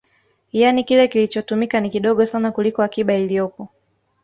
Yani kile kilichotumika ni kidogo sana kuliko akiba iliyopo